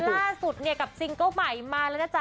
ล่าสุดเนี่ยกับซิงเกิ้ลใหม่มาแล้วนะจ๊